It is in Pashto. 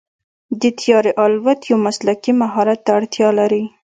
د طیارې الوت یو مسلکي مهارت ته اړتیا لري.